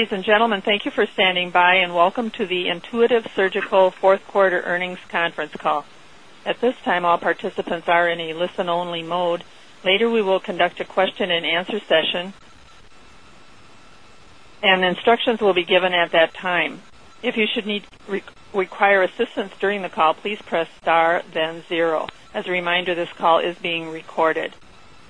Ladies and gentlemen, thank you for standing by and welcome to the Intuitive Surgical Fourth Quarter earnings conference call. Answer session. As a reminder, this call is being recorded.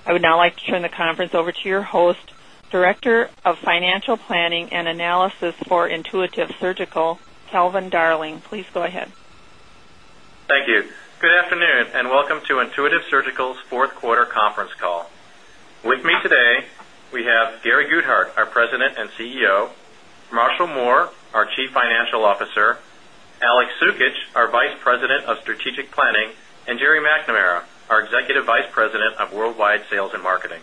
I would now like to turn the conference over to your host, director of financial planning and analysis for intuitive surgical, Calvin Darling. Please go ahead. Thank you. Good afternoon, and welcome to Intuitive Surgical's 4th quarter conference call. With me today, we have Gary Goodhart President and CEO, Marshall Moore, our chief financial officer Alex Soukich, our vice president, Plenty and Jerry McNamara, our Executive Vice President of Worldwide Sales And Marketing.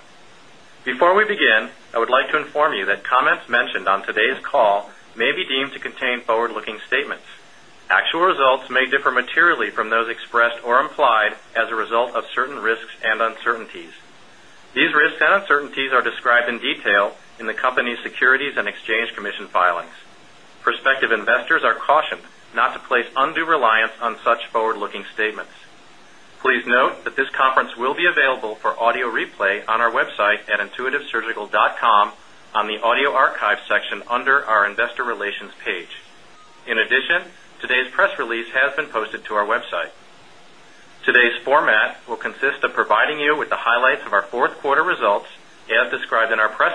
Before we begin, I would like to inform you that comments mentioned on today's of certain risks investors are cautioned not to place undue reliance on such forward looking statements. For audio replay on our website at intuitivesurgical.com on the audio archive section under our Investor Relations page. In addition, today's press release has been posted to our website.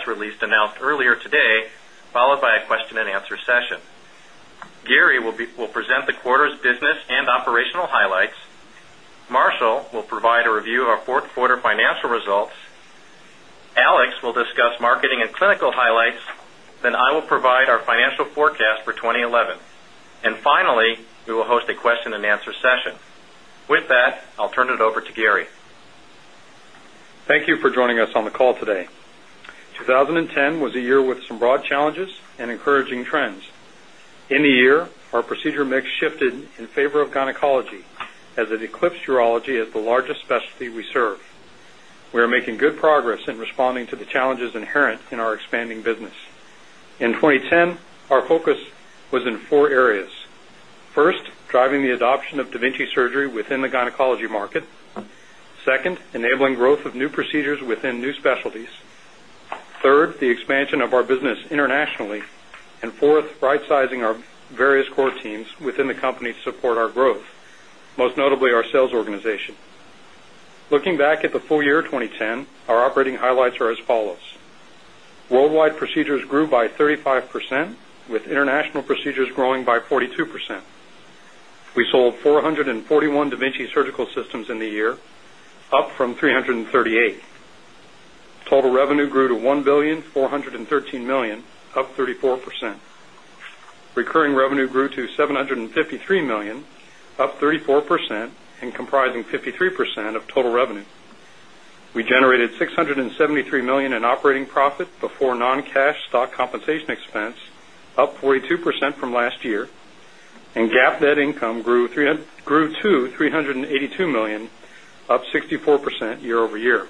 Released announced earlier today followed by a question and answer session. Gary will be will present the quarter's business and operational highlights will provide a review of our fourth quarter financial results. Alex will discuss marketing and clinical highlights then I will provide our financial forecast for 2011. And finally, we will host a question and answer session. With that, I'll turn it over to Gary. Thank you, joining us on the call in favor of expanding business. 2nd, enabling growth of new procedures within new specialties 3rd, the expansion of our business internationally and 4th, Bright the year 2010, our operating highlights are as follows. Worldwide procedures grew by 35% with international procedures growing by 40 2%. We sold 441 da Vinci surgical systems in the year, up from 338. Total revenue grew $1,413,000,000, up 34 percent and comprising 53 percent of total revenue. We generated $673,000,000 in operating profit before non cash stock compensation expense, up 42% from last year, and GAAP net income grew to 382,000,000, up 60 percent 5%,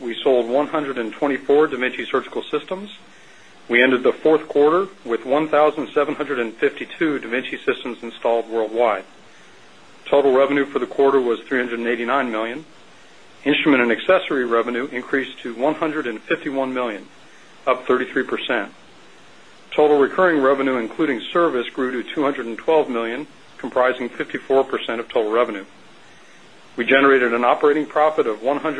we sold 124 Dementci surgical systems. We ended the 4th quarter with 1752 Dementci systems in all worldwide. Total revenue for the quarter was $389,000,000. Instrument and accessory revenue increased to 100 and $51,000,000, up 33%. Total recurring revenue including service grew to $212,000,000, comprising 54% of total revenue. We generated an percent from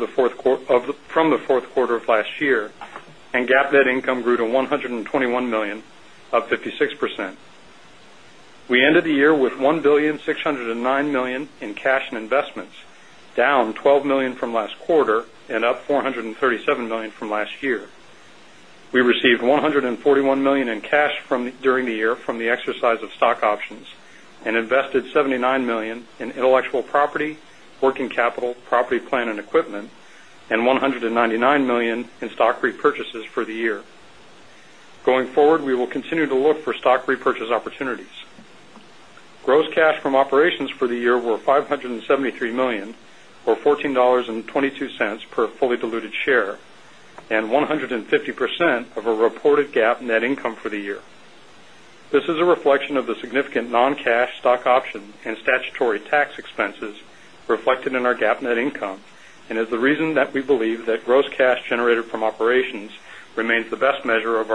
the fourth quarter of last year and GAAP net income grew to $121,000,000, up 56%. We ended the year with $1,609,000,000 in cash and investments, down 12 dollars from last quarter and up $437,000,000 from last year. We received $141,000,000 in cash during the year from the exercise of stock options and invested $79,000,000 in intellectual property, working capital, property, plant, and equipment, and 1 99,000,000 in stock repurchases for the year. Going forward, we will continue to look for stock repurchase opportunities. Gross cash from operations for the year net income for in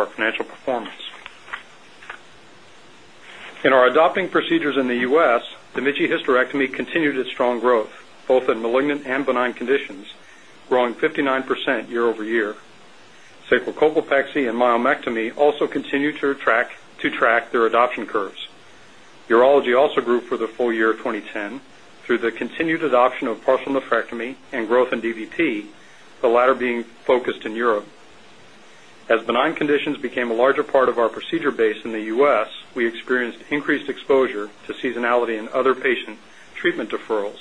financial performance. In our adopting procedures in the US, the Mitsci hysterectomy continued its strong growth, both malignant and benign conditions, growing 59% year over year. Sacral Cobaltaxi and myomectomy also continue to attract to track their adoption curves. Urology also grew for the full year of 2010 through the continued adoption of partial nephrectomy and growth in DVT the latter being focused in Europe. As benign conditions became a larger part of our procedure base in the U S, we experienced increased exposure to seasonality and other patient treatment doing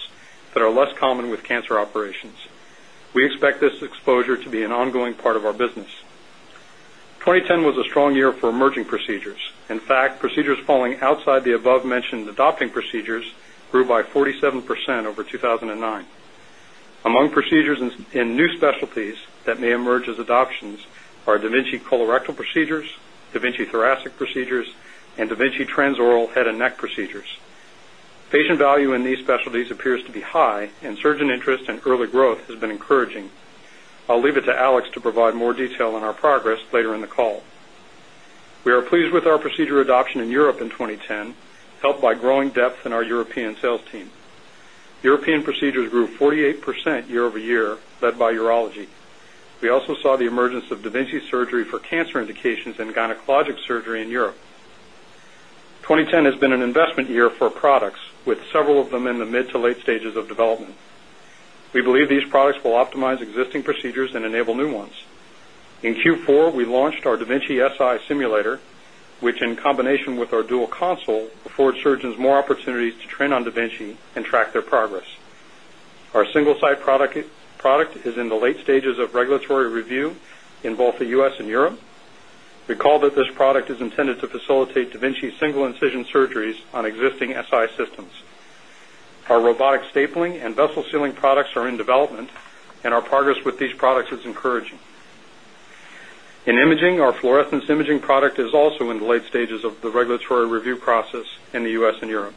part of our business. 2010 was a strong year for emerging procedures. In fact, procedures falling outside the above mentioned adopting procedures grew by 47 percent over 2009. Among procedures in new specialties that may emerge as adoptions are a da Vinci colorectal procedures, da Vinci thoracic procedures, and da Vinci Transoral head and neck procedures. Patient value in these specialties appears to be high and surgeon interest in growth has been encouraging. I'll leave it to Alex to provide more detail on our progress later in the call. We are pleased with our procedure adoption in Europe in 2010 and by growing depth in our European sales team. European procedures grew 48% year over year led by urology. We also saw the emergence of surgery for cancer indications and gynecologic surgery in Europe. 2010 has been an investment year for products with several SI simulator, which in combination with our dual console affords surgeons more opportunities to trend on DaVinci and track their progress. Our single product is in the late stages of regulatory review in both the U. S. And Europe. Recall that this product is intended to Davinci single incision surgeries on existing SI systems. Our robotic stapling and vessel sealing products are development and our progress with these products, it's encouraging. In imaging, our fluorescence imaging product is also in the late stages of the regulatory review process and US and Europe.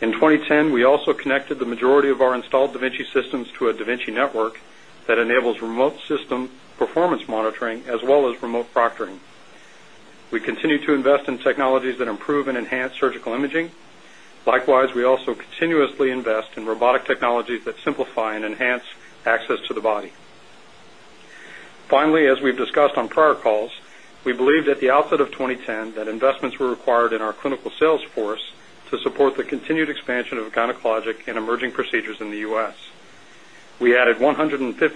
In 2010, we also connected the majority of our installed da Vinci systems to a da Vinci network that enables remotes system, performance monitoring as well as remote proctoring. We continue to invest in technologies that improve and enhance surgical imaging. Likewise, USly invest in robotic technologies that simplify and enhance access to the body. Finally, as we've discussed on prior calls, we believe that the out of 2010 that investments were required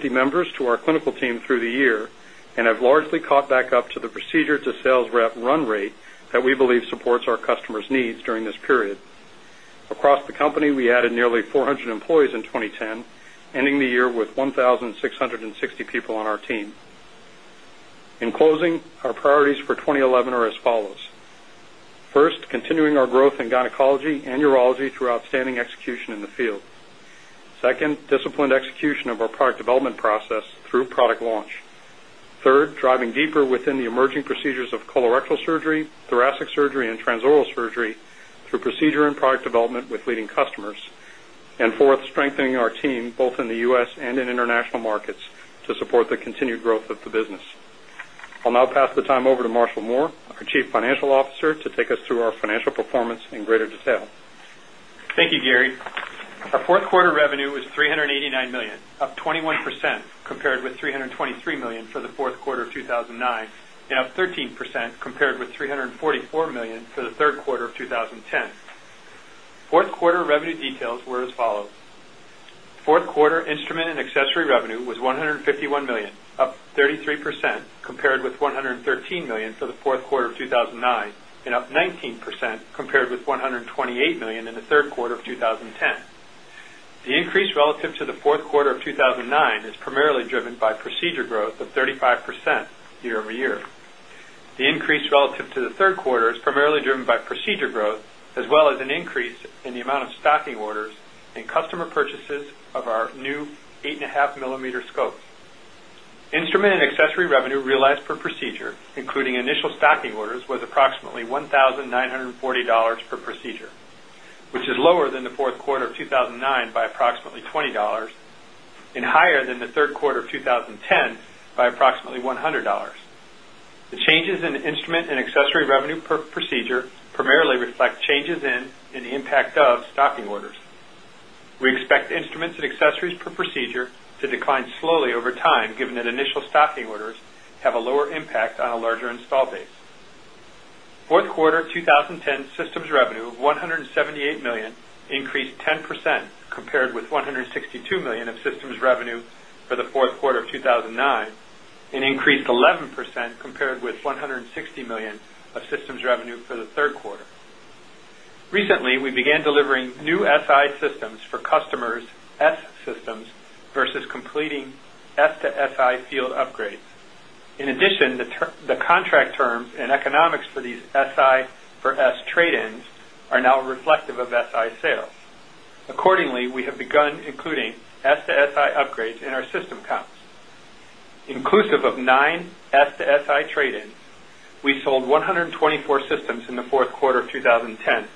members to our clinical team through the year and have largely caught back up to the procedure to sales rep run rate that we believe supports our customers' needs during this period. Across the company, we added nearly 400 employees in 2010, ending the year with 16 sixty people on our team. In closing, our priorities for 2011 are as follows: first, continuing our growth in gynecology and through outstanding execution of colorectal surgery, thoracic surgery and transoral surgery through procedure and product development with leading customers and 4th, strengthening our both in the U. S. And in international markets to support the continued growth of the business. Performance in greater detail. Compared with $323,000,000 for the fourth quarter of 2009 and up 13% compared with 344,000,000 the third quarter of revenue was $151,000,000, up 33% compared with $113,000,000 for the fourth quarter of 2009 and up 19% compared with 120 $1,000,000 in the third quarter of 2010. The increase relative to the fourth quarter of 2009 is primarily driven by procedure growth of 30 5% year over year. The increase relative to the third quarter is primarily driven by procedure growth as well as an increase in amount of stocking orders and customer purchases of our new 8 and a half millimeter scopes. Instrument and accessory revenue realized per procedure, including a special stacking orders was approximately $1940 per procedure, which is lower than the fourth quarter of 2009 by approximately $20 and high than the third quarter of 2010 by approximately $100. The changes in instrument and accessory revenue per procedure primarily reflect changes in and the impact of stocking orders. Procedure to decline slowly over time given that initial stocking orders 2010 systems revenue of $178,000,000 increased 10% compared with $162,000,000 of systems revenue for the 4th 2009, and increased 11% compared with $160,000,000 of systems revenue for the 3rd quarter. Recently, we began delivering new SI systems for customers the contract terms and economics for these SI for S trade ins are now reflective of SI sales. Of course, We have 24 systems in the fourth quarter of 2010.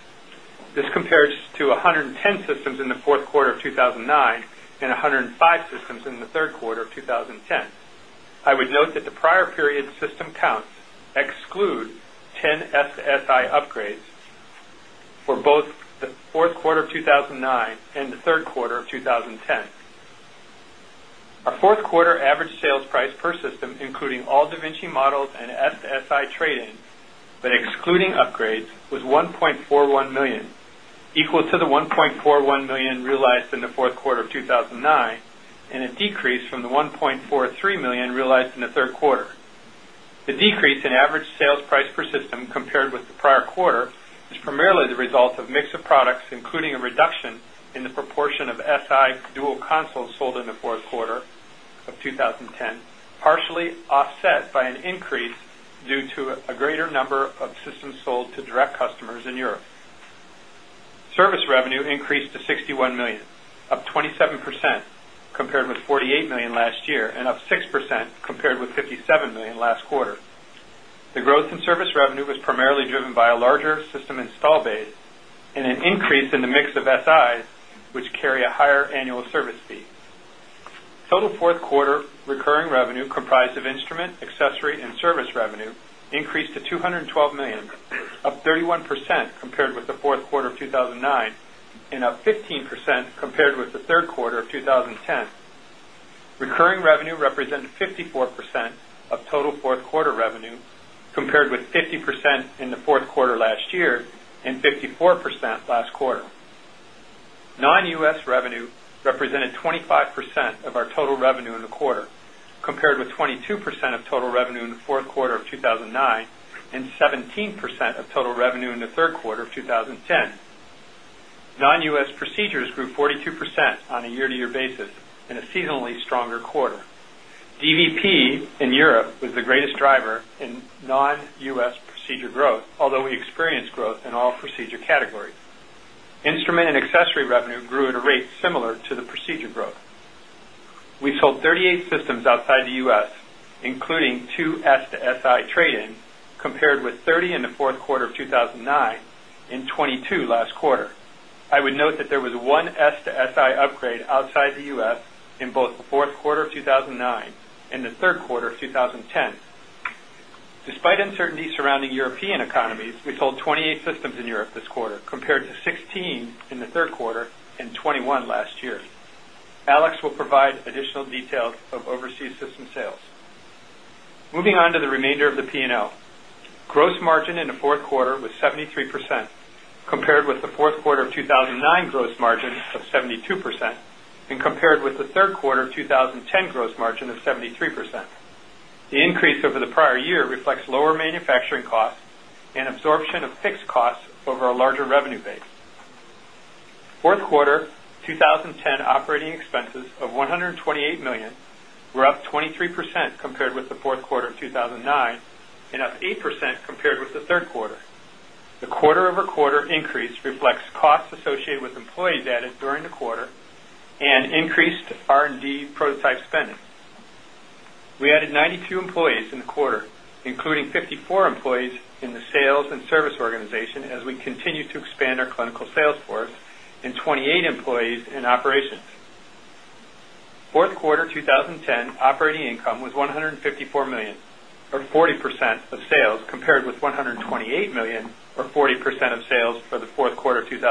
This compares to 110 systems in the fourth quarter of 2009 105 systems in the third order 2010. I would note that the prior period system counts exclude 10 SSI upgrades. For both the fourth quarter of 2009 3rd quarter of 2010. Our 4th quarter average sales price per system including all Vinci models and FSI trade ins, but excluding upgrades was $1,410,000, equal to the $1,410,000 realized in the 4th of 2 1009 and a decrease from the 1.43 system compared with the sold in the fourth quarter of 2010, partially offset by an increase due to a greater of systems sold to direct customers in Europe. Service revenue increased to 61,000,000, up 27% dollars compared with $48,000,000 last year and up 6% compared with $57,000,000 last quarter. The growth in the feet. Total 4th quarter recurring revenue comprised of instrument, accessory and service revenue increased to $212,000,000, with the revenue represented 54% of total 4th quarter revenue compared with 50% in the fourth quarter last year and 54% last quarter. Non US revenue represented 25% of our total revenue in the quarter. Compared 2010. Non US procedures grew 42% on a year to year basis in a seasonally stronger quarter. DV in Europe was the greatest driver in non U. S. Procedure growth, although we experienced growth in all procedure category. Instrument and accessory revenue grew at a rate similar to the procedure growth. We sold 38 systems outside the U. S, including 2 S to SI trade in compared with 30 in fourth quarter of 2009 and 22 last quarter. I would note that there was one S to SI upgrade outside the U. S. In both the fourth quarter of 2009 and the third quarter of 2010. Despite a certainty surrounding European economies, we sold 28 systems in Europe this quarter compared to 16 in third quarter 2021 last year. Alex will provide additional details of overseas system sales. Moving on to the remainder of the P and L. Gross margin in the fourth quarter was 73% compared with the fourth quarter our year reflects lower manufacturing costs and absorption of fixed costs over our larger revenue base. 4th quarter 2010 operating expenses of $128,000,000 were up 23% compared with the fourth quarter of 2009 and up 8% compared with the third quarter. The quarter over quarter increase reflects costs associated with employee debt during the quarter and increased and D prototype spending. We added 92 employees in the our clinical sales force and 28 employees in operations. 4th quarter 2010 operating income was 154 $1,000,000 or 40 percent of sales compared with $128,000,000 or 40 percent of sales for the fourth quarter of 20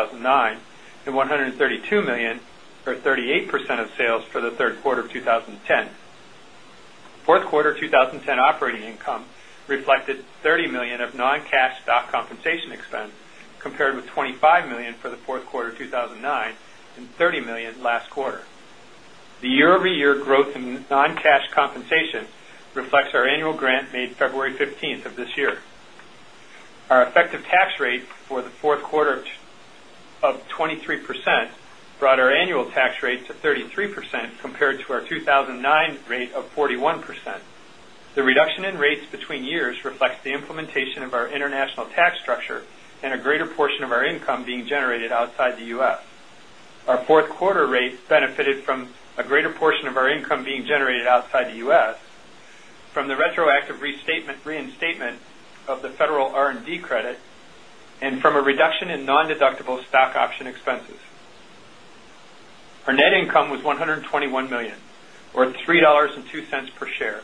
$32,000,000 or 38 percent of sales for the third quarter of 2010. 4th quarter 2010 operating income reflected $30,000,000 of non cash stock compensation expense compared with $25,000,000 for the fourth quarter of $20,930,000,000 last quarter. The year over year growth in non cash compensation reflects our annual grant made February 15th this year. Our the to our 2009 rate of 41%. The reduction in rates between years reflects the implementation of our international tax structure and a greater portion of our in being generated outside the the US from the retroactive restatement reinstatement of the federal R and and non deductible stock option expenses. Her net income was $121,000,000 or 3.2 dollars per share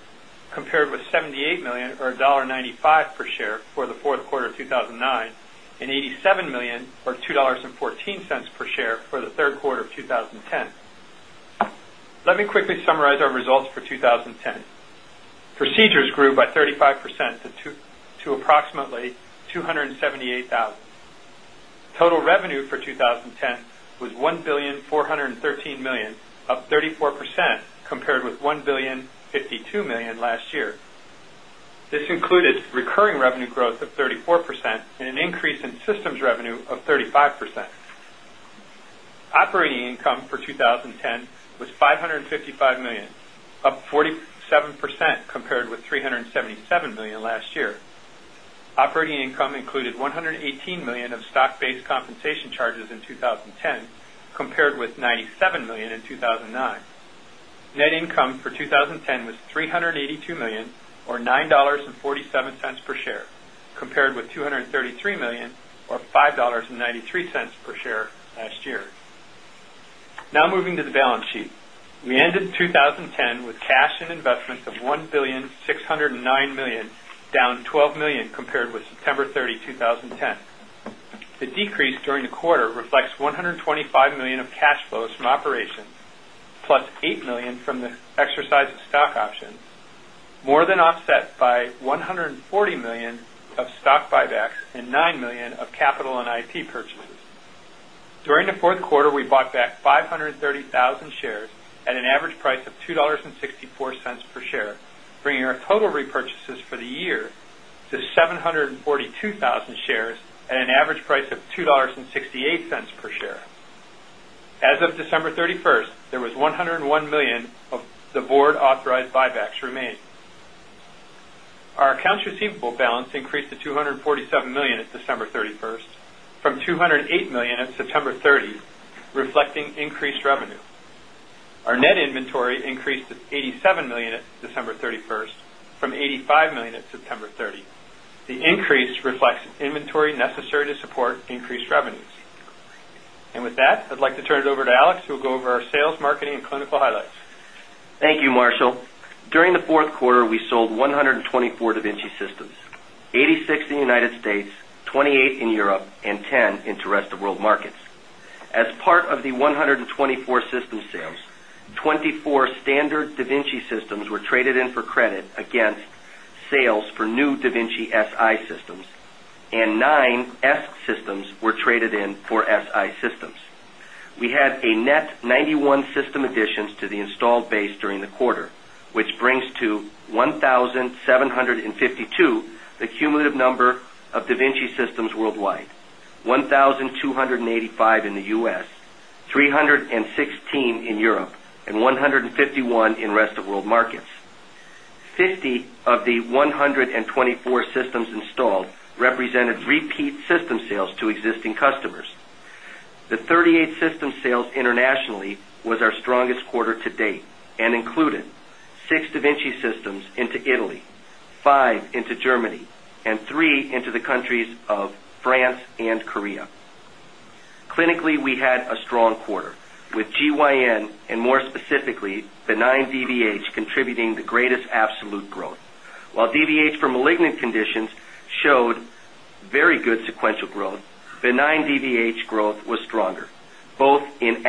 compared with $78,000,000 or $1.95 per share for the fourth quarter of $2,0987,000,000 or $2.14 per share the third quarter of 2010. Let me quickly summarize our to 2 to approximately 278,000. Total revenue for 2010 was 1 $1,413,000,000, up 34% compared with $1,052,000,000 last year. This included recurring revenue $5,000,000, up 47% compared with $377,000,000 last year. Operating income included 118,000,000 of based compensation charges in 2010 compared with 97,000,000 in 2009. Net income for 2010 was 382,000,000 or $9.47 per share compared with $233,000,000 or $5.93 per share last year. Now moving balance sheet. We ended 2010 with cash and investments of $1,609,000,000, down $12,000,000 compared with November 30, 2010. The decrease during the quarter reflects $125,000,000 of cash flows from operations, plus $8,000,000 from the extra size of stock options more than offset by $140,000,000 of stock buybacks and $9,000,000 of capital and IP purchase During the fourth quarter, we bought back 530,000 shares at an average price of $2.64 share bringing our total repurchases for the year to 742,000 shares at an average price of $2.68 per share. As of December 31st, there was 101,000,000 of the board authorized buybacks remaining. Receivable balance increased to $247,000,000 at December 31st from $208,000,000 at September 30, reflecting increased revenue. Our net inventory increased to $87,000,000 at December 31st from $85,000,000 at September 30. The increase reflects inventory assertive support increased revenues. And with that, I'd like to turn it over to Alex who will go over our sales, marketing and clinical highlights. Thank you, Mark. So, during the fourth quarter, we sold 124 da Vinci systems, 86 in the United States, 28 in and 10 interested world markets. As part of the 124 system sales, 24 standard da Vinci were traded systems were traded in for SI systems. We had a net 91 system additions to the installed base during the quarter, which brings to 1 1752, the cumulative number of da Vinci systems worldwide, 1285 in the U S, 3 16 in Europe and 100 and 51 in rest of world markets. 50 of the 124 systems installed represented repeat system sales to existing customers. The 38 system sales internationally was our strongest quarter to date, a included 6 Da Vinci systems into Italy, 5 into Germany, and 3 into the countries of France and clinically, we had a strong quarter with GYN and more specifically the 9 GBH contributing the greatest absolute growth. While DvH for malignant conditions showed very good sequential growth. The 9 DvH growth was stronger, both in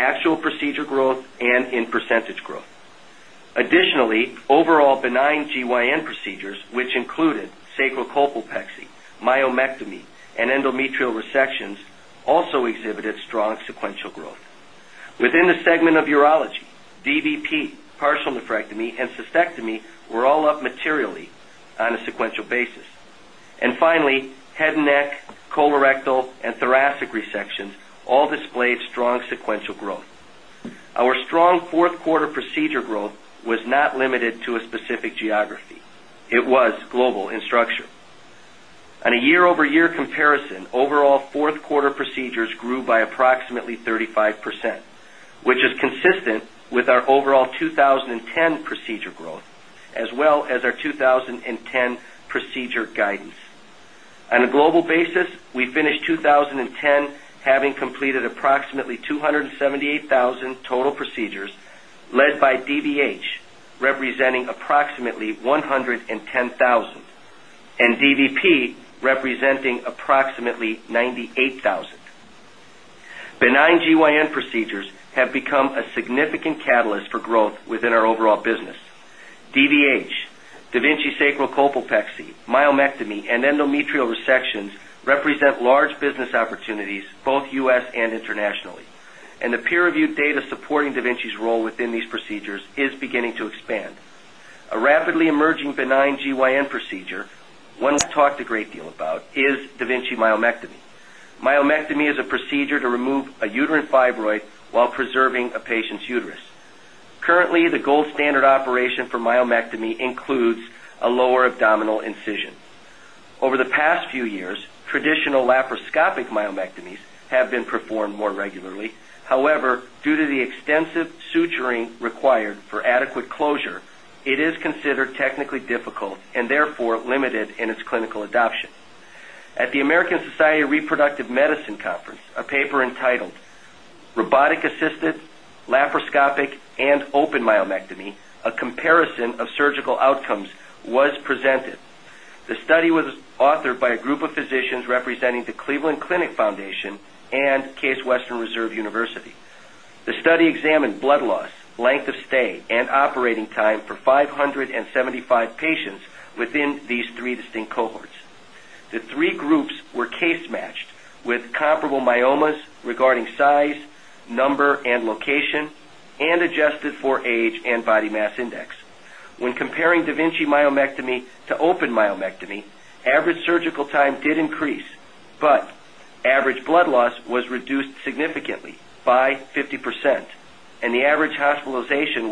Opexy, myomectomy and endometrial resections also exhibited strong sequential growth. We in the segment of urology, DBP, partial nephrectomy, and cystectomy were all up materially on a sequential basis. And finally head and neck, colorectal, and thoracic resections all displayed strong sequential growth. Our strong 4th quarter procedure all 4th quarter procedures grew by approximately 35%, which is consistent with our overall 20 dollars procedure growth as well as our 20 at approximately 278,000 total procedures, led by DVH, representing approximately 110,000 DDP representing approximately 98,000. And catalyst for growth within opportunities, both U. S. And Internationally and the peer reviewed data supporting da Vinci's role within these procedures is beginning to expand. Iran the as a procedure to remove a uterine fibroids while preserving a patient's uterus. Currently, the gold standard operation for myomectomy includes a lower abdominal incision. Over the past few years, traditional laparoscopic myomectomies have been performed more regularly. However, due to the extensive suturing required for adequate closure, it is considered technically difficult and therefore limited in its clinical adoption. At the American Society Reproductive Medicine Conference, a paper in titled robotic assisted laparoscopic and open myomectomy, a comparison of surgical out was presented. The study was authored by a group of physicians representing the Cleveland Clinic Foundation And Case Western Reserve University. The study examined blood loss length of stay and operating time for 5 75 patients within these distinct cohorts. The 3 groups were case matched with comparable myomas regarding size, number, and location and adjusted for age and body mass index. When comparing da Vinci myomectomy to open omectomy, average surgical time did increase, but average blood loss was reduced percent and the average hospitalization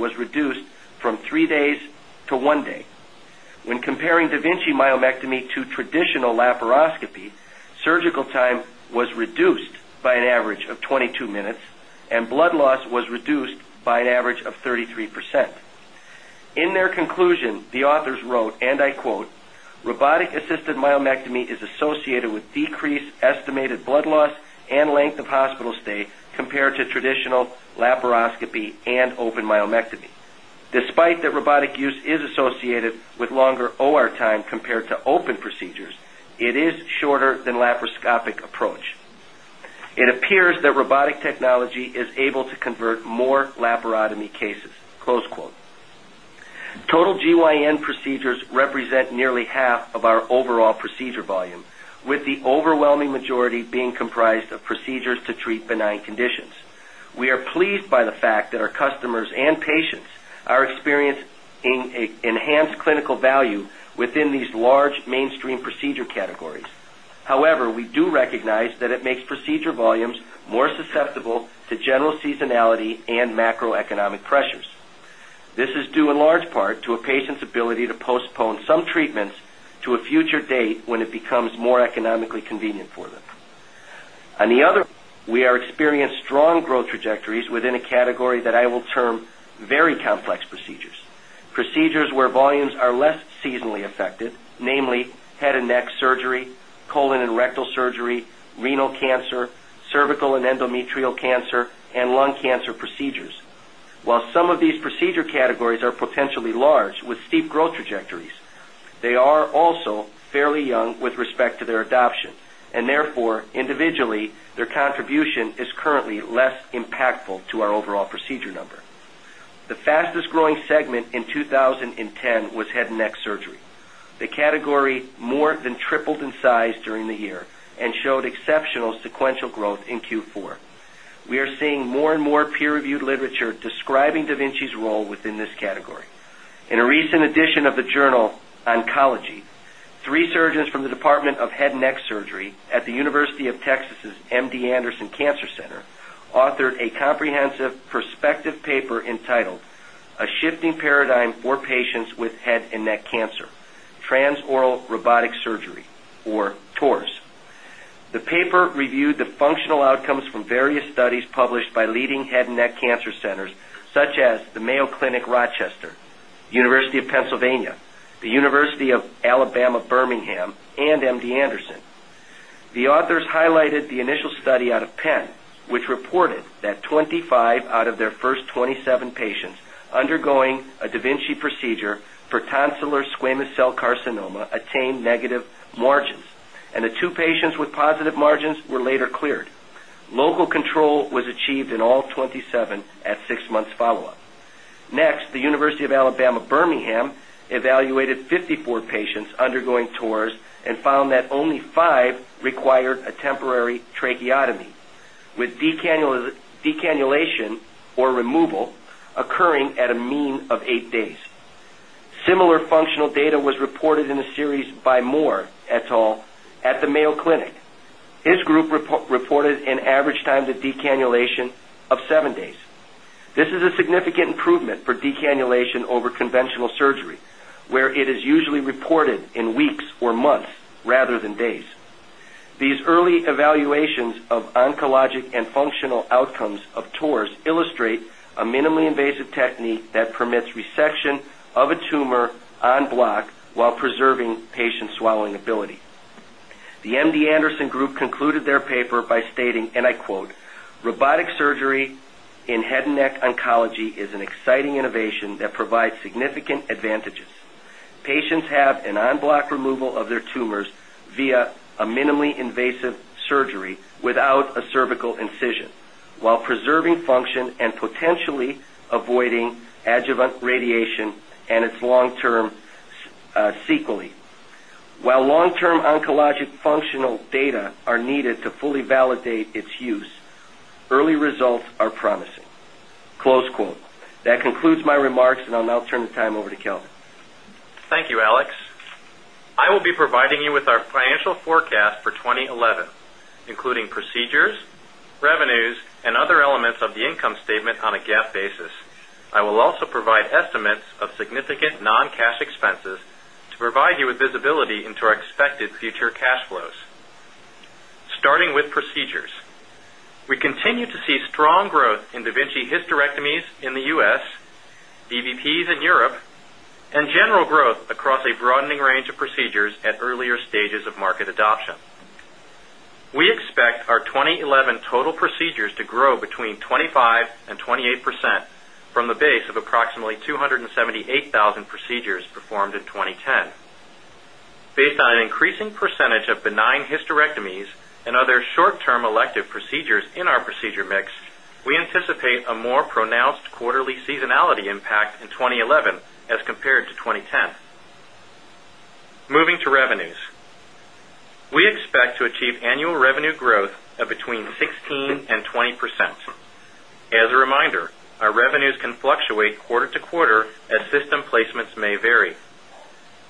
in myomectomy to traditional laparoscopy, surgical time was reduced by an average of 22 minutes and blood loss was reduced by an average of 33%. Is associated with decreased estimated blood loss and length of hospital stay compared to traditional laparoscopy and open myomectomy. This the technology is able to procedure volume with the overwhelming majority being comprised of procedures to treat benign conditions. Experience in enhanced clinical value within these large mainstream procedure categories. However, we do recognize that it makes procedure the postpone some treatments to a future date when it becomes more economically convenient for them. On the other, we are experienced strong growth trajectories within a category that I will term very complex procedures, procedures where volumes are less seasonally infected, namely head and neck surgery, colon and rectal surgery, renal cancer, cervical and endometrial cancer, and lung cancer procedures. While some of these procedure categories are potentially large with steep growth trajectories, they are also fairly young with respect to their adoption. And therefore, individually, their contribution is currently less impactful to our overall number. The fastest growing segment in 2010 was headneck surgery. The category more than tripled in size to the year and showed exceptional sequential growth in Q4. We are seeing more and more peer reviewed literature describing da Vinci's role with this category. In a recent addition of the journal oncology, 3 surgeons from the Department of Head And Neck Surgery at the University of Texas's MD and and Cancer Center authored a comprehensive Perspective paper entitled, a shifting paradigm for patients with head and neck cancer, trans oral robotic surgery or Taurus. The paper reviewed the functional outcomes from various studies published by leading head and neck answer centers, such as the Mayo Clinic Rochester, University of Pennsylvania, the University of Alabama, Birmingham, and MD Anderson. The authors highlighted the initial study tonsilarg squamous cell carcinoma attained negative margins and the 2 patients with positive margins were later Local control was achieved in all 27 at 6 months follow-up. Next, the University of Alabama, Birmingham evaluated 54 the or removal occurring at a mean of 8 days. Similar functional data was reported in a series by more at all at the Mayo Clinic. This group reported an average time to decannulation of 7 days. This is a significant improvement for of oncologic and functional outcomes of tours illustrate a minimally invasive technique that permits reception of a tumor on block while reserving patient swallowing ability. The MD Anderson group concluded their paper by stating, is an exciting innovation that provides significant advantages. Patients have an on block removal of their tumors via a minimally invasive surgery without a cervical incision, agreement radiation and its long term, sequel. While long term oncologic data are needed to fully validate its use. Early results are promising. That concludes my remarks and I'll now turn the time over help. Thank you, Alex. I will be providing you with our financial forecast for 2011, including years, revenues, and other elements of the income statement on a GAAP basis. I will also provide estimates of significant non cash expenses to provide you with visibility into our expected future cash flows. Starting with procedures, we continue to see strong growth in Vinci hysterectomies procedures at earlier stages of market adoption. We expect our 2011 total procedures to grow between 25 28% from the base of approximately 278,000 procedures performed in 2010. Based an increasing percentage of benign hysterectomies announced quarterly seasonality impact in 2011 as compared to 2010. Moving to revenues. We to placements may vary.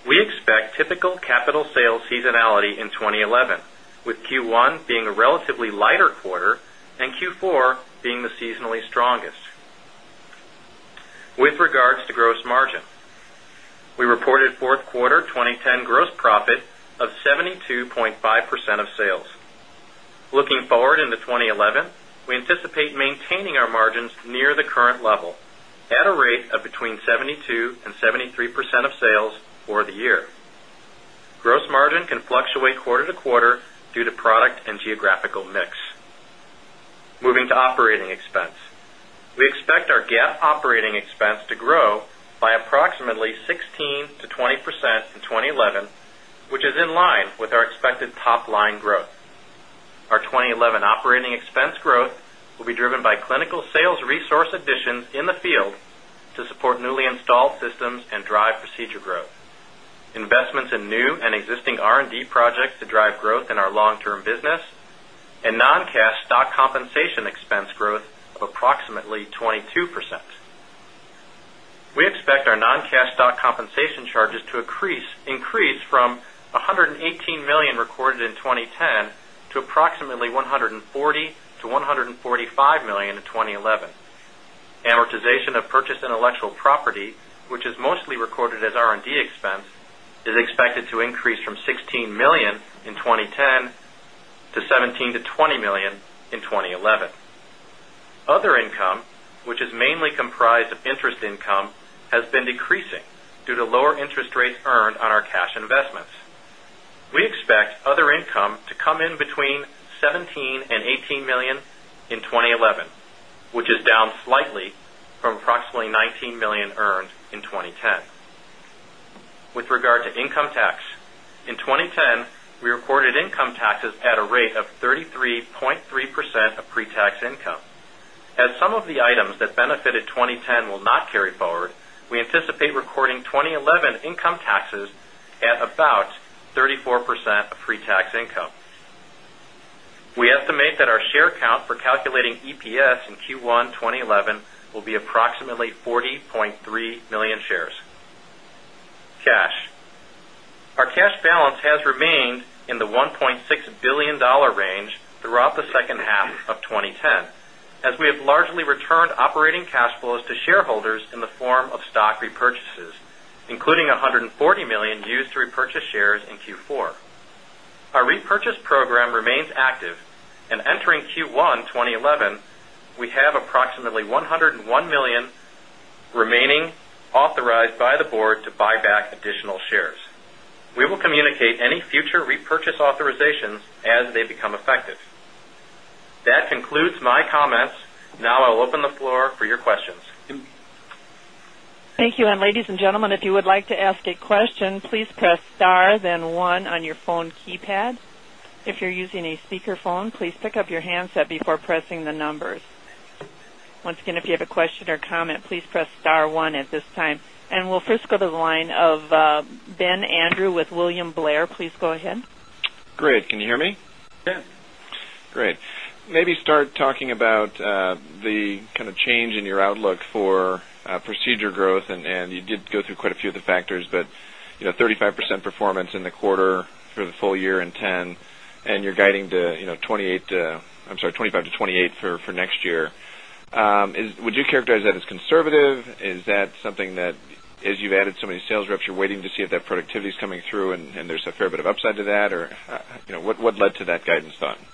We expect typical capital sales seasonality in 2011 with Q1 being a relatively lighter quarter and Q3 being the seasonally strongest. With regards to gross margin, we reported 4 quarter 2010 gross profit of 72.5 percent of sales. Looking forward into 20 can fluctuate quarter to quarter our GAAP operating expense to grow by approximately 16 to 20% in 2011 which is in line with our expected top line growth. Our 2011 operating expense growth will be driven by clinical sales resource additions in the field to support newly installed systems and drive procedure us and non cash stock compensation expense growth of approximately 22%. We expect our non cash stock compensation to increase from a 118,000,000 recorded in 2010 to approximately 140 11. Amortization to increase from 16,000,000 in 20.10 to 17 to 20,000,000 in 2011. Other income, which is income to come in between $17,118,000,000 in 2011, which is down slightly from $19,000,000 earned in 2010. With regard to income tax, in 2010, we recorded income taxes at a rate of 33.3 percent of pretax income as some of the items that benefited 2010 will not carry forward, we anticipate recording 2011 income taxes at about 34% of pretax income. We estimate the our share count for calculating EPS in q12011 will be approximately 40,300,000 shares. Cash. Our cash balance has remained in the $1,600,000,000 range throughout the second half 2010 as we have largely returned operating cash flows to shareholders in 40,000,000 used to repurchase shares in Q4. Our repurchase program remains active and entering Q1 2011, we have approximately 101,000,000 remaining authorized by the board to buy back additional shares. Communicate any future repurchase authorizations as they become effective. Questions. Add. At this time. And we'll first go to the line of, Ben Andrew with William Blair. Please go ahead. Great. Can you hear me? Maybe start talking about the kind of change in your outlook for procedure growth and you did go through quite a few of the factors, but performance in the quarter for the full year and 10. And you're guiding to, I'm sorry, 25 to 28 for next year. Would characterize that as conservative? Is that something that as you've added so many sales reps, you're waiting to see if that productivity is coming through and there's a fair bit of upside to that or what led to that and Sutton.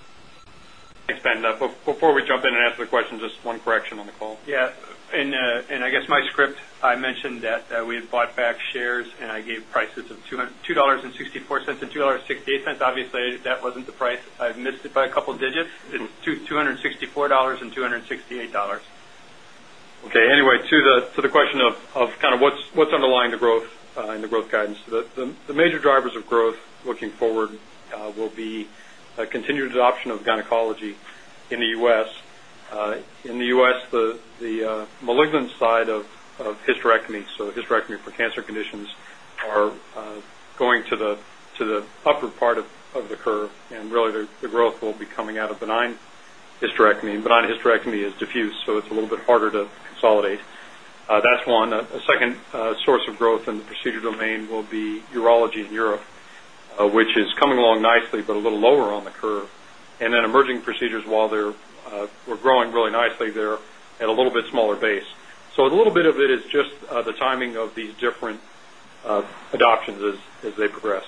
Thanks, Ben. Before we jump in and answer the question, just one correction on the call. Yeah. And, and I guess my script, I mentioned that we had bought back shares and I gave prices of $2.64 $2.68. Obviously, that wasn't the price. I've missed it by a couple of digits and didn't $264 $2.68. Okay. Anyway to the to the question of of kind of what's what's underlying the growth, in the growth guidance. The major drivers of growth looking forward, will be a continued adoption of gynecology in the U. S. In the U. S, the, the, malignant side of of hysterectomy, so hysterectomy for cancer conditions are, going to the to the upper part of of the curve and really the the growth will be coming out of benign hysterectomy. Benign hysterectomy is diffuse, so it's a little bit harder to consolidate. That's one. A second source of growth in the procedure domain will be urology in Europe, which is coming along nicely, but a little on the curve and then emerging procedures while they're, were growing really nicely there at a little bit smaller base. So it bit of it is just the timing of these different, adoptions as as they progress.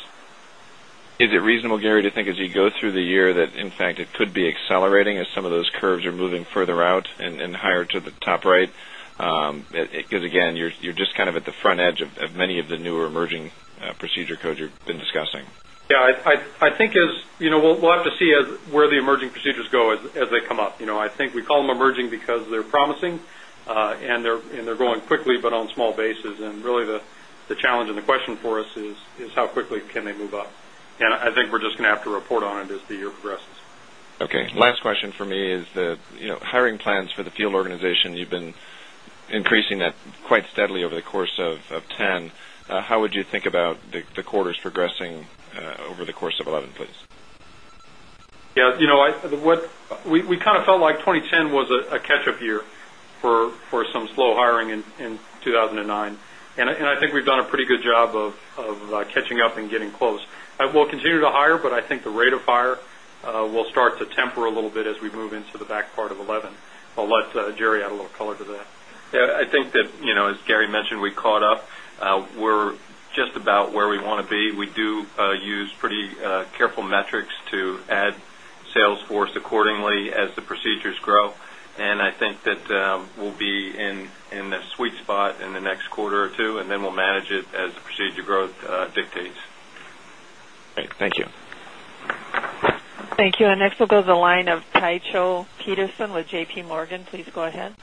Is it reasonable, Gary, to think as you go through the year that, in fact, it could be accelerating as some of those curves are moving further out and higher to the top right. Because again, you're just kind of at the front of many of the newer emerging procedure codes you've been discussing? Yes, I think we'll have to see where the emerging procedures go as they come up. I think we emerging because they're promising, and they're, and they're going quickly, but on a small basis, and really the challenge and the question for us is, is how quickly can they move up. And I we're just going to have to report on it as the year progresses. Okay. Last question for me is that hiring plans for the field organization, you've been increasing that quite steadily over the course of 10. How would you think about the quarters progressing over the course of 11, please? Yeah. You know, what we we kind of felt like 2010 was a catch up year for for some slow hiring in in 2009. And and I think we've done a good job of of catching up and getting close. I will continue to hire, but I think the rate of hire, will start to temper a little bit as we move into the back of 11. I'll let Jerry add a little color to that. Yeah. I think that, you know, as Gary mentioned, we caught up. We're just about where we want to be. We do, use pretty, careful metrics to add Salesforce accordingly as the procedures grow. And I think that will be in in the sweet spot in the next quarter or 2, and then we'll manage it as the procedure growth dictates. Great. Thank you. Thank you. And next we'll go to the line of Tycho Peterson with JP Morgan. Please go ahead.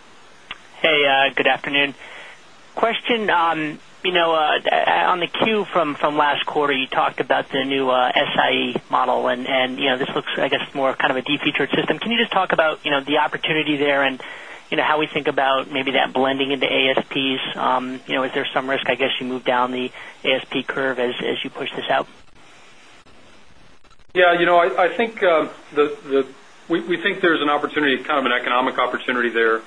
Hey, good afternoon. Question on on the Q from last quarter, you talked about the new SIE model and this looks I guess more kind of a de feature can you just talk about the opportunity there and how we think about maybe that blending into ASPs? Is there some risk guess, you moved down the ASP curve as you push this out? Yes, you know, I think, we think there's an kind of an economic opportunity there,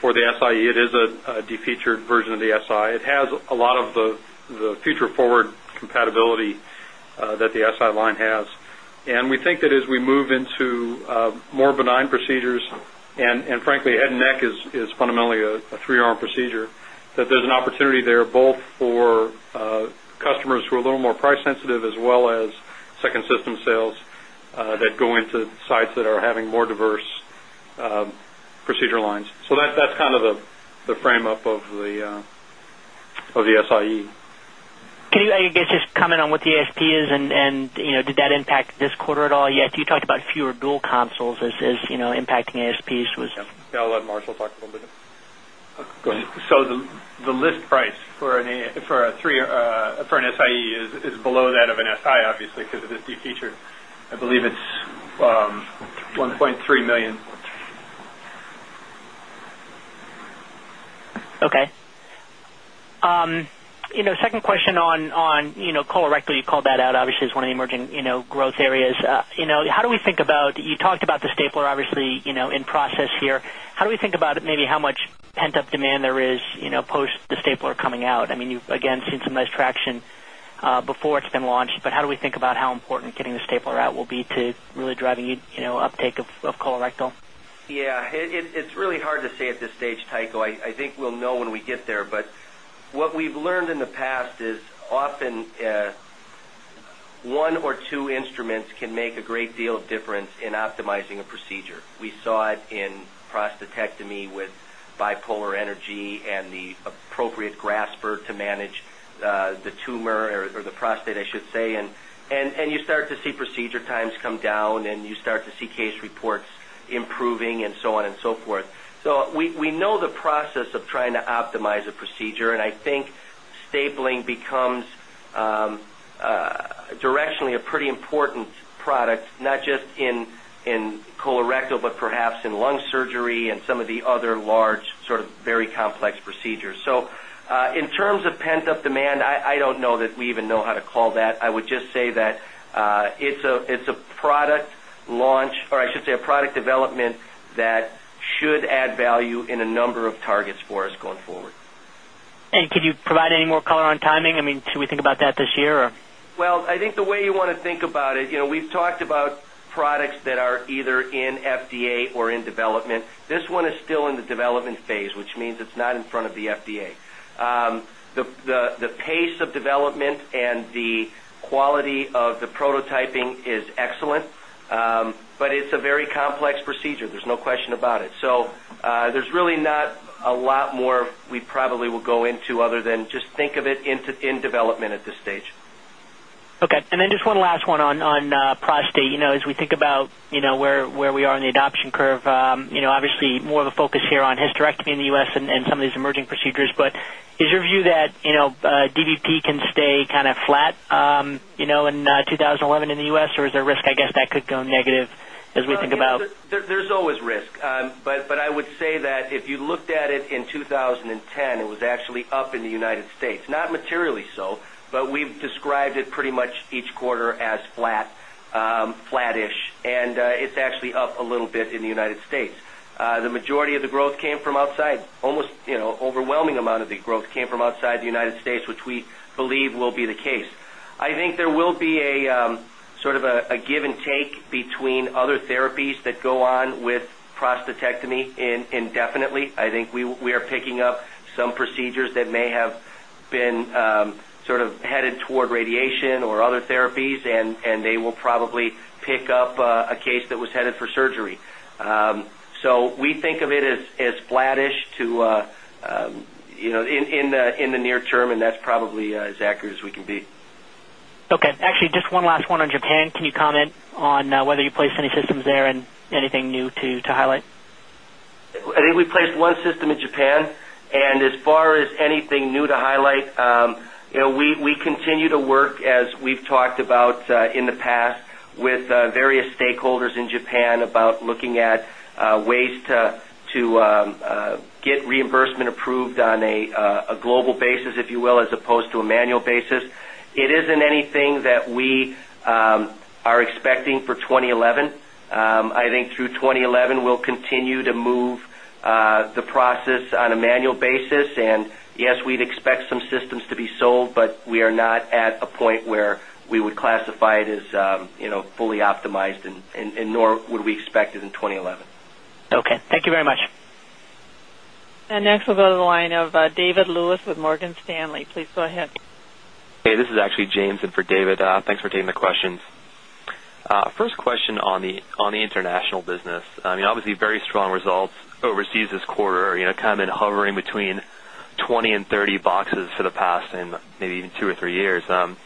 for the SIE. It is a a defeatured version of the SIE. It has a lot of the the future forward compatibility that the SI line has and we think that as we move into more benign procedures and frankly head and neck is fundamentally a 3 arm seizure that there's an opportunity there both for, customers who are a little more price sensitive as well as some sales, that go into sites that are having more diverse, procedure lines. So that's kind of the frame up of the, of the SIE. Can you, I guess, just comment on what the ST is and and, you know, did that impact this quarter at all yet? Talked about fewer dual consoles as is, you know, impacting ASPs. Was Yeah. I'll let Marshall talk a little bit. Okay. So the the list price for an a for a 3, for an SIE is is below that of an SIE obviously because of this deep feature. I believe it's, one 3,000,000. Okay. You know, second question on colorectal. You called that out obviously is one of the emerging growth areas. How do we think about you talked about the Stapler the in process here. How do we think about maybe how much pent up demand there is post the stapler coming out? I mean, you, again, seen some nice traction, before it's been launched how do we think about how important getting the stapler out will be to really driving uptake of colorectal? Yes. It's really hard to say at this stage, Tycho. I think we'll know when we get there, but what we've learned in the past is often, 1 or 2 instruments can make a great deal difference in optimizing procedure. We saw it in prostatectomy with bipolar energy and the appropriate grasp to manage the tumor or the prostate, I should say. And you start to see procedure times come down and you start to see case reports improving and so on and so on and so forth. So we know the process of trying to optimize a procedure and I think stapling becomes, directionally a important product, not just in colorectal, but perhaps in lung surgery and some of the other large sort of very complex procedures. So, in terms of pent up demand, I don't know that we even know how to call that. I would just say that it's a it's a product launch or I should say a product development that should add value in a number of targets for us going forward. Could you provide any more color on timing? I mean, should we think about that this year? Or Well, I think the way you want to think about it, you know, we've talked about products are either in FDA or in development. This one is still in the development phase, which means it's not in front of the FDA. The pace of development and the quality procedure. There is no question about it. So, there is really not a lot more we probably will go into other than just think of in in development at this stage. Okay. And then just one last one on on, prostate. You know, as we think about, you know, where where we are in option curve. Obviously, more of a focus here on hysterectomy in the U. S. And some of these emerging procedures. But is your view that DVP can a kind of flat, you know, in 2011 in the US, or is there a risk I guess that could go negative as we think about? There's always risk, but, but I would say that you looked at it in 2010, it was actually up in the United States, not materially so, but we've described it pretty much each quarter as flattish and it's actually up a little bit in the United States. The majority of the growth came from up almost you know, overwhelming amount of the growth came from outside the United States, which we believe will be the case. I think there will be a sort of a give and take between other therapies that go on with prostatectomy indefinitely. I think we are picking up some procedures that may have been sort of headed toward radiation or other therapies and they will probably pick up a case that was added for surgery. So we think of it as as flattish to in the the near term and that's probably as accurate as we can be. Okay. Actually, just one last one on Japan. Can you comment on whether you any systems there and anything new to to highlight? I think we placed one system in Japan. And as far as anything new to highlight. You know, we continue to work as we've talked about in the past with various stakeholders in Japan, looking at ways to get reimbursement approved on a global basis, if you will, as a to a manual basis. It isn't anything that we are expecting for 2011. I think through 2011, we'll continue to move the process on a manual basis and yes, we'd expect some systems to be sold we are not at a point where we would classify it as fully optimized and nor would we expect it in 2011. Thank you very much. And next, we'll go to the line of David Lewis with Morgan Stanley. Please go ahead. This is actually James in for David. Thanks for taking the questions. First question on the international business. I mean, obviously, very strong results overseas this quarter, kind of been hovering between 2030 boxes for the past and maybe 2 or 3 years, and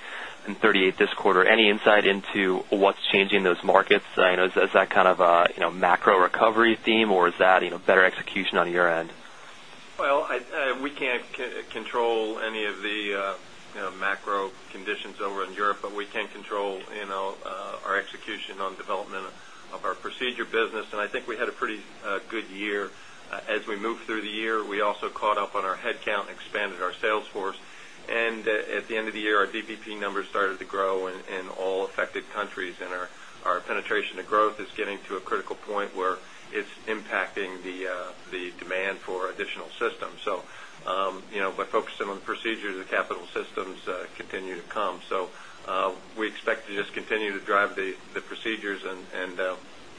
38 this quarter, any insight into what's changing those markets? I know is that kind of a macro recovery theme or is that better execution on your end? Well, I I we can't c control any of the, you know, macro conditions over in Europe, but we control, you know, our execution on development of our procedure business. And I think we had a pretty good year. As we move through the year, we also caught up on our headcount and expanded our sales force. And at the end of the year, our DBP numbers started to grow in all affected countries and our penetration the growth is getting to a critical point where it's impacting the, the demand for additional systems. So, you know, by focusing on the procedures of capital systems, continue to come. So, we expect to just continue to drive the the procedures and and, you know,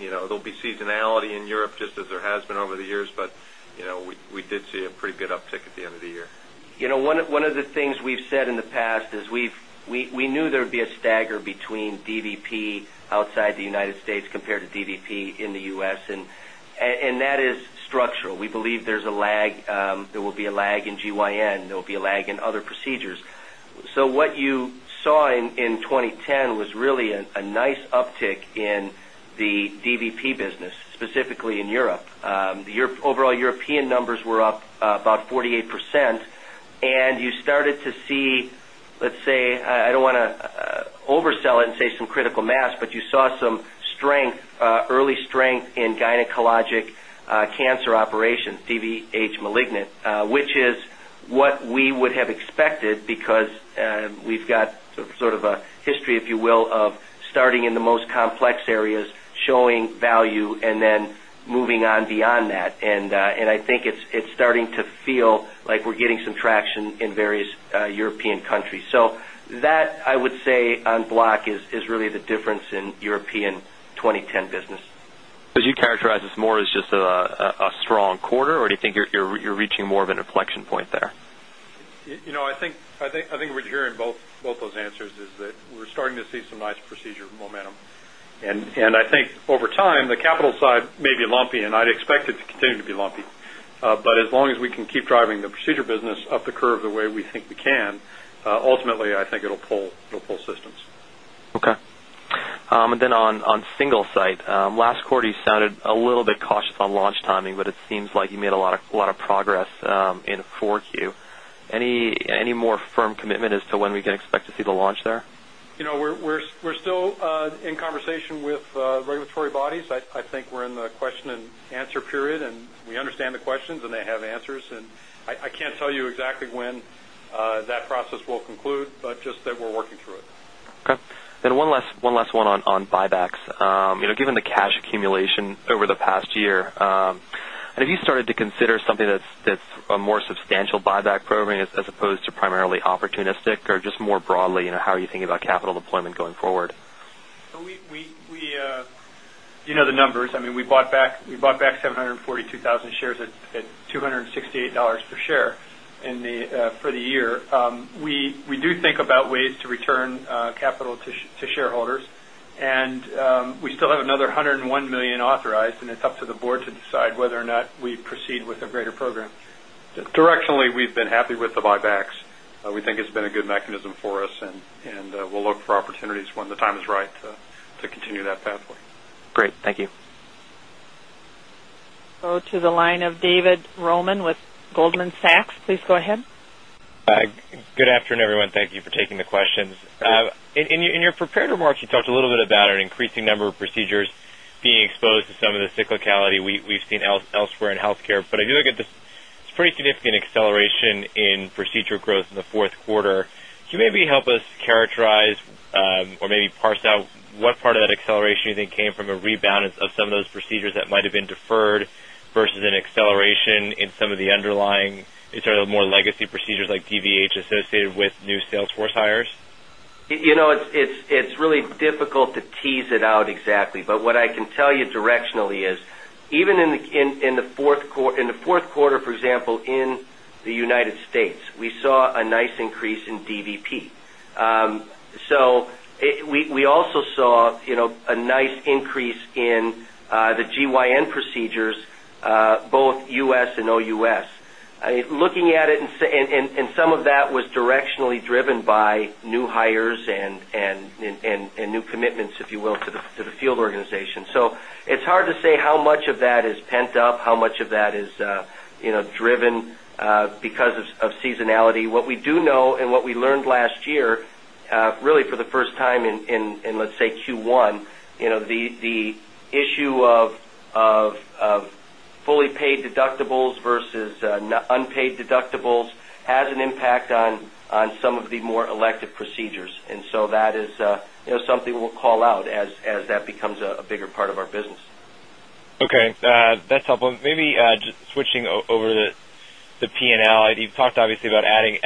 there'll be seasonality in Europe just as there has been over the years, but, you know, we did see a pretty good uptick at the end of the year. You know, one of the things we've said in the past we knew there would be a stagger between DDP outside the United States compared to DDP in the U. S. And that is structure We believe there's a lag. There will be a lag in GYN. There will be a lag in other procedures. So what you saw in 2010 was really a nice uptick in the DBP business, specifically in Europe. The overall Europe and numbers were up about 48% and you started to see, let's say, I don't want to oversell it and say some critical mass, but you saw some strength, early strength in gynecologic can or operations, CBH Malignant, which is what we would have expected because we've got sort of a history, if you will, of starting in the most complex areas showing value and then moving on beyond that. And I think it's starting to feel like we're getting some traction in various European countries. So that I would say on block is really the difference European 2010 business. As you characterize this more as just a strong quarter, or do you think you're you're reaching more of point there? You know, I think I think what we're hearing both both those answers is that we're starting to see some nice procedure momentum. And I think over time, the side may be lumpy and I'd expect it to continue to be lumpy, but as long as we can keep driving the procedure business up the curve the way we think we can. Ultimately, I think it'll pull it'll pull systems. Okay. And then on on single site, last quarter you sounded a little cautious on launch timing, but it seems like you made a lot of progress in 4Q. Any more firm is to when we can expect to see the launch there? You know, we're we're we're still in conversation with, regulatory bodies. I I think we're in the question and answer period, and we understand the questions and they have answers. And I I can't tell you exactly when, that process will conclude, but just that we're working through it. K. And one last one on buybacks. Given the cash accumulation over the past year, and have you started to consider something that's a more financial buyback program as opposed to primarily opportunistic or just more broadly, you know, how you think about capital deployment going forward? We we we, you know, the number I mean, we bought back 742,000 shares at $2.68 per share in the, for the year. We do think ways to return, capital to shareholders. And, we still have another 101,000,000 authorized and it's up to the to decide whether or not we proceed with a greater program? Directionally, we've been happy with the buybacks. We think it's been a good mechanism for us and we'll look for opportunities when the time is right to continue that pathway. Great. Thank you. 2 the line of David Roman In your prepared remarks, you talked a little bit about an increasing number of procedures being exposed to some of the cyclicality we've seen elsewhere in healthcare, but I do look at the significant acceleration in what part of that acceleration you think came from a rebalance of some of those procedures that might have been deferred versus an acceleration in some of the underlying is there a more legacy procedures like DVH associated with new Salesforce hires? It's really difficult to tease it out exactly, but what I can the increase in DBP. So we also saw a nice increase in the GYN procedures both US and OUS. Looking at it and some of that was directionally driven by new hires and new commitments, if you will, to the field organization. So it's hard to say how much of that is pent up, how much of that is driven because of seasonality. What we do know and what we learned last year, really for the first time in, in, let's say, Q1, the issue of of fully paid deductibles versus unpaid deductibles has an impact on and so that is something we'll call out as that becomes a bigger part of our business. Okay. That's helpful. Maybe switching over the P and L. You've talked obviously about adding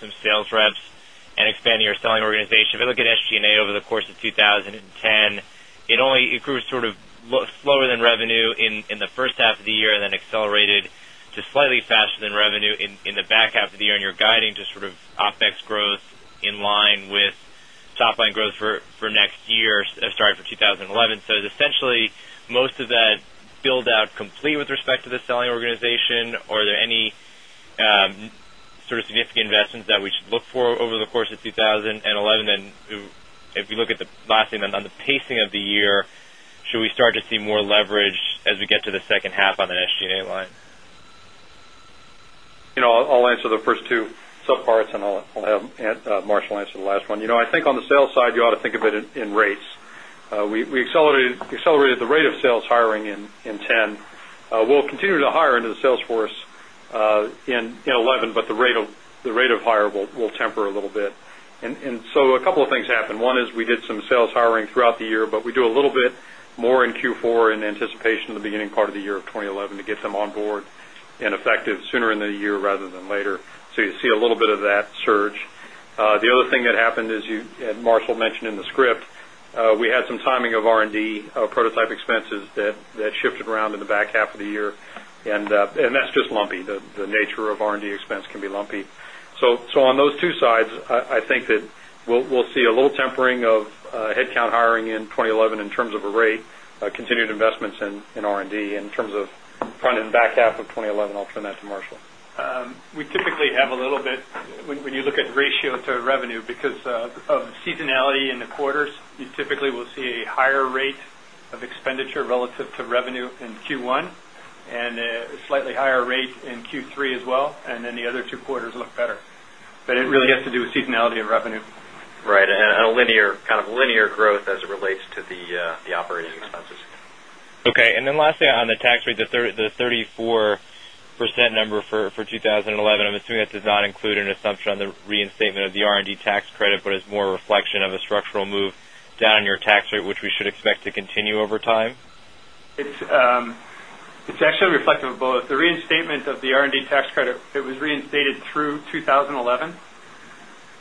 some sales reps and expanding your selling organization. If you look at SG over the course of 2010, it only it grew sort of slower than revenue in the first half of the year and then accelerated to slightly faster than revenue in in the back half of the year and you're guiding to sort of OpEx growth in line with top line growth for for next year, starting for 2011. So this potentially, most of that build out complete with respect to the selling organization, or are there any, sort of significant investments that we forward over the course of 2011. And if you look at the last thing on the pacing of the year, should we start to see more leverage as we get to the 2nd half an SG and A line? You know, I'll answer the first 2 sub parts, and I'll I'll have, Marshall answer the last one. You know, on the sales side, you ought to think of it in rates. We accelerated the rate of sales hiring in 10 continue to hire into the sales force, in 11, but the rate of the rate of hire will temper a little bit. And so a couple happened. One is we did some sales hiring throughout the year, but we do a little bit more in Q4 in anticipation of the beginning part of the year of 2011 to get them on board. Effective sooner in the year rather than later. So you see a little bit of that surge. The other thing that happened is you had Marshall mentioned in the script, we had some timing of R and D prototype expenses that shifted around in the back half of the year and that's just lumpy. The nature of R and D expense can be lumpy. So on those sides, I think that we'll see a little tempering of headcount hiring in 2011 in terms of a rate, continued investments in R and D and terms of front and back half of 2011, I'll turn that to Marshall. We typically have a little bit when you look at ratio to revenue because of seasonality in the quarters, you typically will see a higher rate of expenditure relative to revenue in Q1 in Q3 as well and then the other two quarters look better. But it really has to do with seasonality of revenue. Right. And on a linear of linear growth as it relates to the, the operating expenses. Okay. And then lastly, on the tax rate, the 34% number for 2011. I'm assuming that does not include an assumption on the reinstatement of the R and D tax credit, but is more a reflection of a structural move down your rate, which we should expect to continue over time? It's, it's actually reflective of both the reinstatement of the tax credit. It was reinstated through 2011.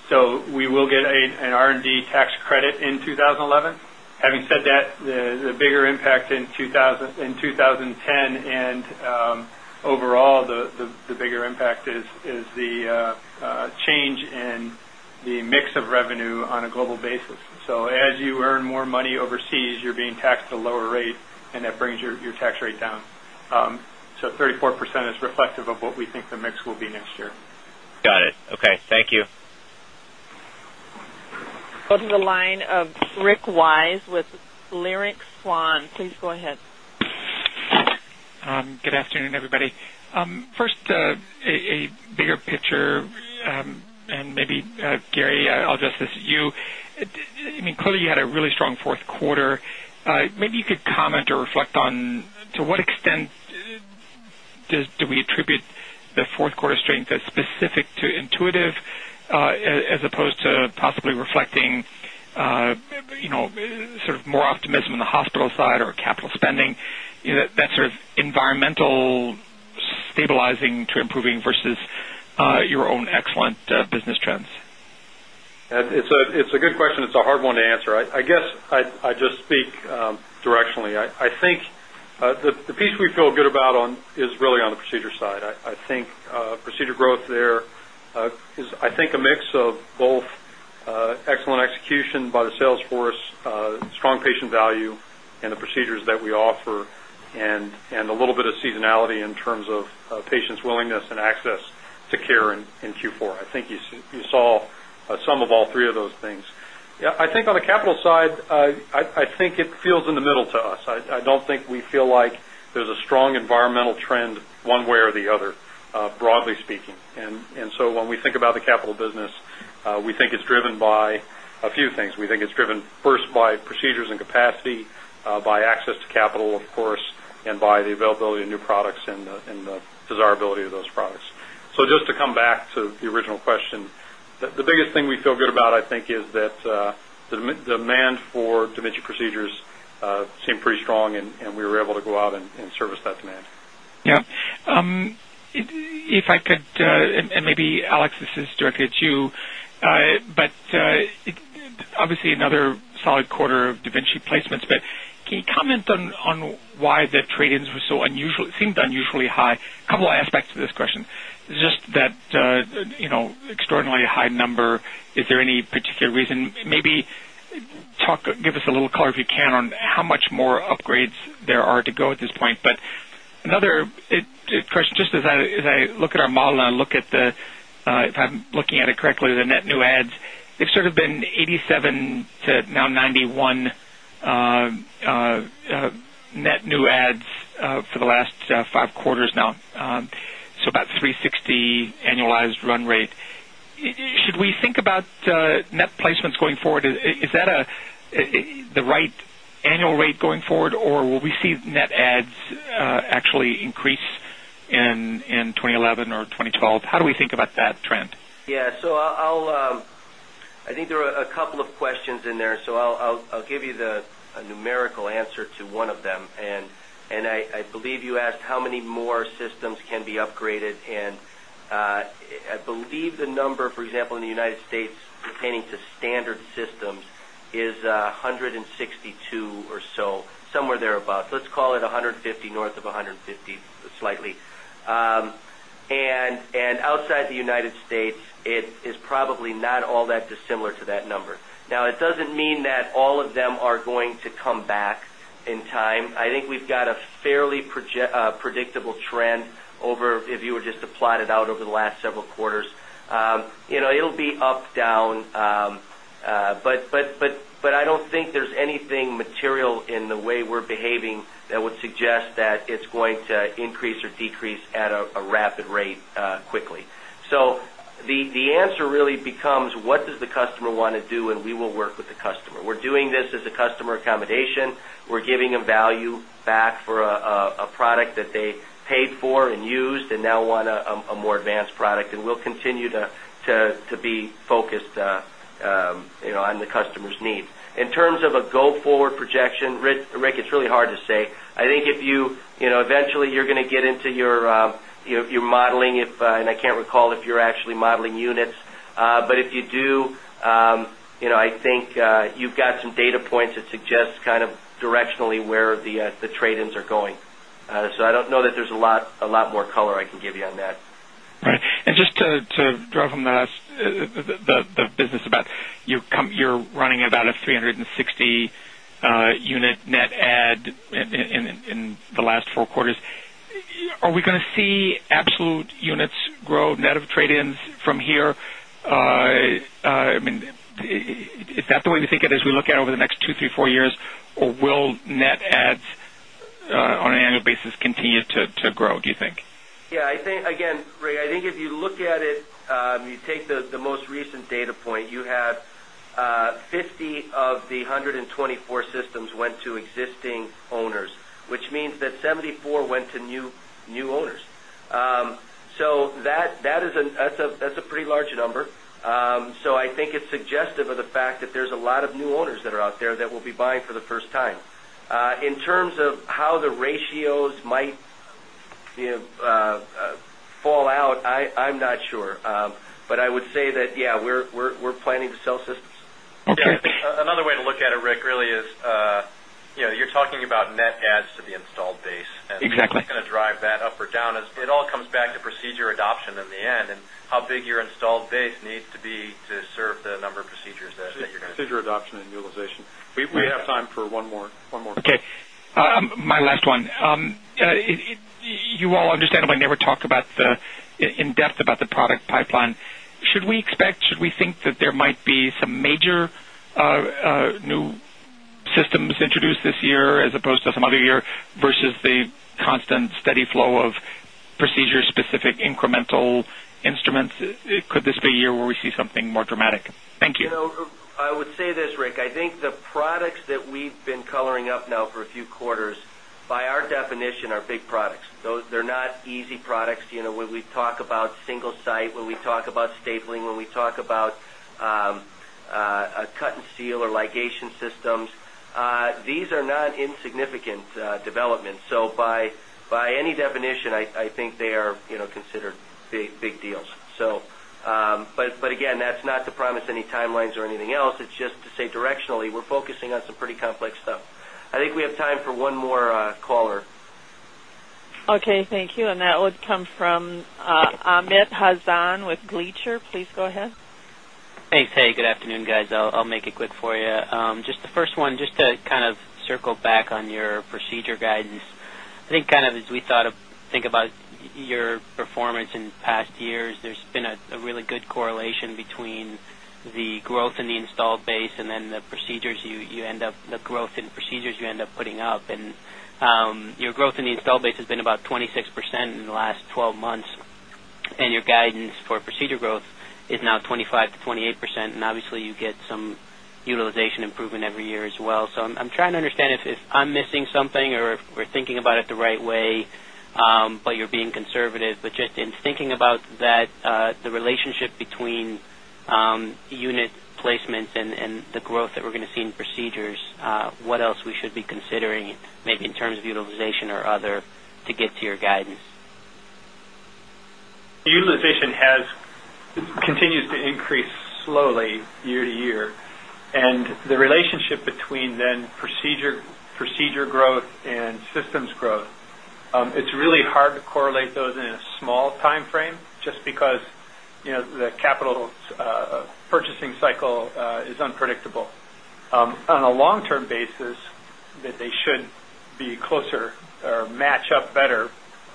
So we will get a an R and D tax credit in 2011. Having said the the bigger impact in 2000 in 2010 and, overall, the the the bigger impact is is the change in the mix of revenue on a global basis. So as you earn more money overseas, you're being taxed to lower rate and that brings your your tax rate down. So 34% is reflective of what we think the mix will be next year. Got it. Okay. Thank you. Go to the line of Rick Wise with Leerink Swan. Please go ahead. And everybody. First, a bigger picture and maybe, Gary, I'll address this to you. I mean, clearly, you really strong 4th quarter. Maybe you could comment or reflect on to what extent do we attribute the 4th quarter strain specific to intuitive as opposed to possibly reflecting sort of more optimism on the hospital side or capital pending, that's sort of environmental stabilizing to improving versus your own excellent business sense? It's a good question. It's a hard one to answer. I guess I just speak directionally. I think the we feel good about on is really on the procedure side. I think, procedure growth there is, I think, a mix of both, excellent execution by the sales force, strong patient value and the procedures that we offer and a little bit of seasonality terms of patient's willingness and access to care in Q4. I think you saw some of all three of those things. Yeah, I think on the capital side, I think it feels in the middle to us. I don't think we feel like there's a strong environmental trend one way or the other, broadly speaking. And so when we think about the capital business, we think it's driven by a few things. We think it's driven first by and capacity by access to capital, of course, and by the availability of new products and the and the desirability of those products. So just to come back to the original question, the biggest thing we feel good about I think is that, the demand for mitchell procedures, seemed pretty strong and we were able to go out and service that demand. Yeah. If I could and maybe Alex, this is directed to you, but obviously another solid quarter of da Vinci Place but can you comment on why the trade ins were so unusually seemed unusually high. A couple of aspects to this question. It's just that, extraordinarily high number. Is there any particular reason? Maybe talk, give us a little color if you can on how much more upgrades there are to go at this point But another question, just as I look at our model and I look at the if I'm looking at it correctly, the new adds, they've sort of been 87 to now 91 net new adds for the last five quarters now. So about 360 annualized run rate. Should we think about net placements going forward? That the right annual rate going forward or will we see net adds actually increase in 2011 or twelve. How do we think about that trend? Yeah. So I'll, I think there are a couple of questions in there. So I'll I'll I'll give you the numerical to one of them. In the United States, depending to standard systems, is 162 or so, somewhere thereabouts. Let's call a 150, north of 150, slightly. And outside the United States, it is not all that dissimilar to that number. Now, it doesn't mean that all of them are going to come back in time think we've got a fairly predictable trend over if you were just to plot it out over the last several quarters. You know, it'll up down, but I don't think there's anything material in the way we're behaving that would suggest or decrease at a rapid rate, quickly. So the answer really becomes what does the customer want to do and we will work with the customer. We're this as a customer accommodation. We're giving them value back for a product that they paid for and used and now want a more advanced product and we'll continue to be focused on the customer's needs. In terms of a go forward projection, Rick, it's really hard to say. I think if you you're going to get into your modeling and I can't recall if you're actually modeling units. But if you do, you know, I think you've got some data points that suggest kind of directionally where the, the trade ins are going. So I don't know that there's a lot a lot more color I can give you on that. And just to draw from the business about you're running about a 360 unit net add in the last four quarters, are we going to see absolute units grow net of trade ins from here. Is that the way to think of it as we look at it over the next 2, 3, 4 years or will net adds on an annual basis continue to grow, do you think? Yes, I think again, Ray, I think if you look at it, you take the most recent data you have, 50 of the 124 systems went to existing owners, which means that 74 went to new owners. So that that is a that's a that's a pretty large number. So I think it's a of the fact that there's a lot of new owners that are out there that will be buying for the first time. In terms of how the ratios might fall out. I I'm not sure. But I would say that, yeah, we're we're we're planning to sell systems. Okay. Another way to look at it, Rick, really, is, you're talking about net adds to the installed base. Exactly. It's going to drive that up down as it all comes back to procedure adoption in the end and how big your installed base needs to be to serve the number of procedures that you're going to The procedure adoption and utilization. We have time for one more. One more. Okay. My last one. You all understand if I never talked about the in about the product pipeline, should we expect should we think that there might be some major, new some introduced this year as opposed to some other year versus the constant steady flow of procedure specific increment hole instruments, could this be a year where we see something more dramatic? Thank you. No, I would say this, Rick, I think the products that we've been coloring up now for a few quarters by our definition are big products. Those, they're not easy products, you know, when we talk about single site, when we talk about stapling, when we talk about, cut and seal or ligation systems. These are not insignificant, development. So by any definition, I I think they are, you know, considered big big deals. So, but but again, that's not to promise any timelines or anything else. It's just to directionally, we're focusing on some pretty complex stuff. I think we have time for one more, caller. Okay. Thank you. And that would come from, Ahmed. How Zan with Gleacher. Please go ahead. Thanks. Hey. Good afternoon, guys. I'll I'll make it quick for you. Just the first one, just to kind of circle back on your proceed your guidance. I think kind of as we thought of, think about your performance in past years, there's been a really good correlation between the growth in the installed base and then the procedures you end up the growth in procedures you end up putting up and your growth in the installed base has been about 6% in the last 12 months. And your guidance for procedure growth is now 25% to 28% and obviously you get some improvement every year as well. So I'm trying to understand if I'm missing something or if we're thinking about it the right way, but you're being conservative, but just in thinking about that, that the relationship between, unit placements and the growth that we're going to see in procedures, what else we should be considering, maybe in terms of utilization or other to get to your guidance? Utilization has continues to increase slowly year to year and the relationship between then procedure procedure growth and systems growth, it's really hard to correlate those in a small time frame just because, you know, the capital, purchasing cycle, is unpredictable. On a long term basis that they shouldn't be closer or match up better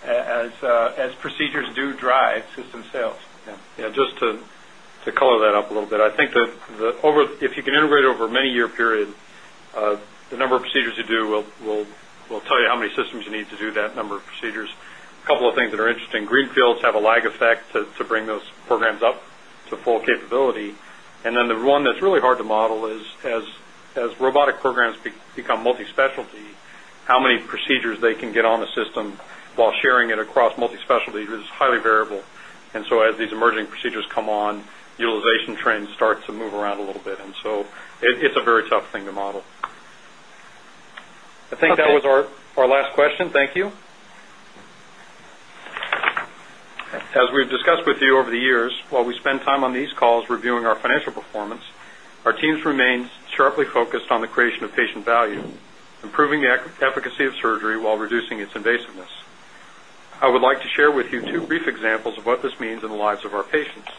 as, as procedures do dry at system sales. Yeah. Yeah. Just to to color that up a little bit, I think that the over if you can integrate over many year period, the number of procedures you do we'll we'll we'll tell you how many systems you need to do that number of procedures. Couple of things that are interesting. Greenfields have a lag effect to to bring those programs up to full capability. The one that's really hard to model is as robotic programs become multi specialty, how many procedures they can get on the system while sharing it across multi specialty is highly variable. And so as these emerging procedures come on, utilization trends start to move around a little bit. And so it very tough thing to model. I think that was our last question. Thank you. As we have discussed with you over the years, while we spend time on these calls reviewing our financial performance, our teams remain sharply focused on the creation of patient value, improving the efficacy of surgery while reducing its invasiveness. I would like to share with you two brief examples of what this means in the lives of our patients.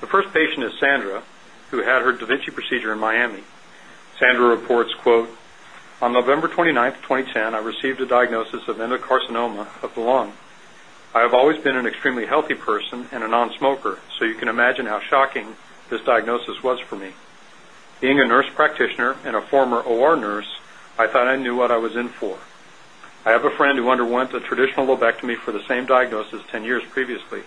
The first patient is Sandra, who had her da Vinci procedure in Miami. Sandra reports, quote, on November 29 2010, I to diagnosis of endocarcinoma of the lung. I have always been an extremely healthy person and a non smoker, so you can imagine how talking this diagnosis was for me. Being a nurse practitioner and a former OR nurse, I thought I knew what I was in for. I have friend who underwent a traditional low back to me for the same diagnosis 10 years previously.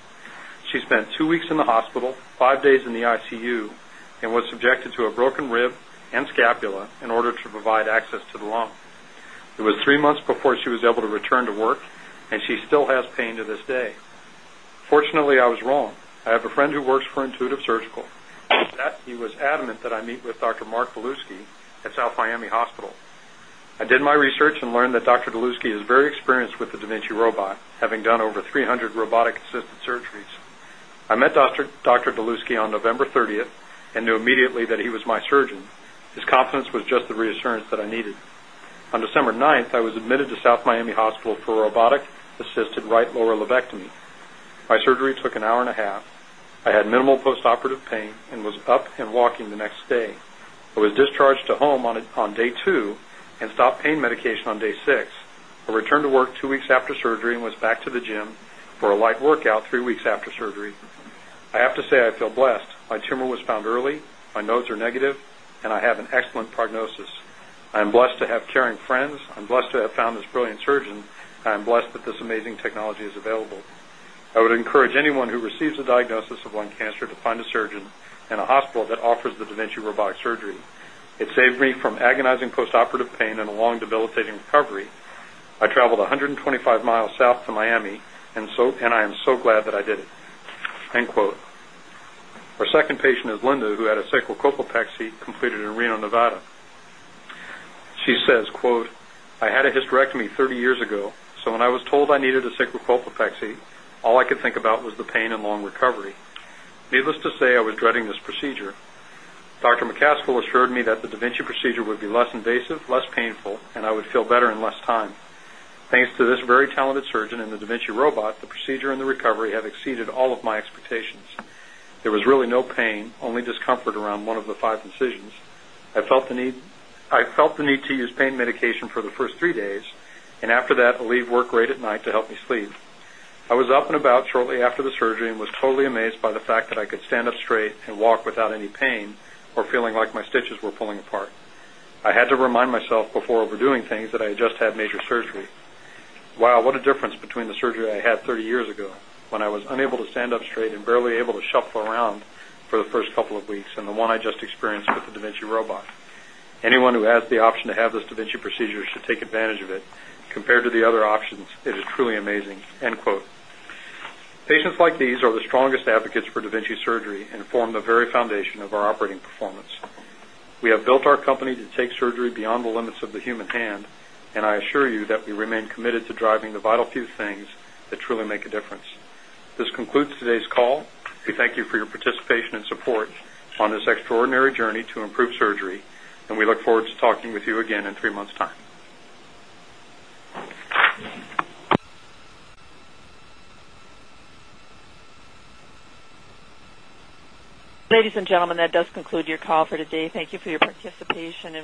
She spent 2 weeks in the hospital, 5 days in the ICU and was subjected to a Rib and Scapula in order to provide access to the loan. It was 3 months before she was able to return to work and she still has pay to this day. Fortunately, I was wrong. I have a friend who works for Intuitive Surgical. He was adamant that I meet with Doctor Mark Voluskey at South Miami Hospital. I did my research and learned that Doctor Dluwski is very experienced with the dementia robot, having done over 300 robotic assisted surgeries. I'm doctor doctor Dluwski on November 30th and knew immediately that he was my surgeon, his confidence was just the reassurance that I needed. On December 9th, I was admitted to South Amy Hospital for a robotic assisted right lower lavectomy. My surgery took an hour a half. I had minimal post operative pain and was up and walking next day. I was discharged to home on on day 2 and stopped pain medication on day 6. A return to work 2 weeks after surgery and was back the gym for a light workout 3 weeks after surgery. I have to say I feel blessed. My tumor was found early. My notes are negative and I have an prognosis. I am blessed to have caring friends. I am blessed to have found this brilliant surgeon. I am blessed that this amazing technology is available. I would encourage anyone who receives a diagnosis of lung cancer to find a surgeon in a hospital that offers the dementia robotic surgery, it saved me from agonizing post operative and a long debilitating recovery. I traveled a 100 and 25 Miles South to Miami, and so and I am so glad that I did it. Patient is Linda who had a cyclical paxi completed in Reno, Nevada. She says, quote, I had it hysterectomy 30 years ago. So when I was told I needed a opexy, all I could think about was the pain and lung recovery. Needless to say, I was dreading this procedure. Doctor McCaskill assured me that the da Vinci procedure would be less than day less painful and I would feel better in less time. Thanks to this very talented surgeon and the Da Vinci robot, the procedure and the recovery have exceeded all of my expectations. There was really no pain, only discomfort around 1 of the 5 incisions. I felt the need to use pain made for the 1st 3 days and after that, I leave work rate at night to help me sleep. I was up and about shortly after the surgery and was totally amazed by the fact that I could up straight and walk without any pain or feeling like my stitches were pulling apart. I had to remind myself before overdoing things that just had major surgery. Wow. What a difference between the surgery I had 30 years ago when I was unable to stand up straight and barely able to helpful around for the 1st couple of weeks and the one I just experienced with the da Vinci robot. Anyone who has the option to have this da Vinci procedure should take advantage of surgery and form the very foundation of our operating performance. We have built our company to take surgery beyond the limits of the human hand, and I assure you we remain committed and support on this extraordinary journey to improve surgery, and we look forward to talking with you again in 3 months' time. Ladies and gentlemen, that does conclude your call for today. Thank you for your participation and for using AT and T, it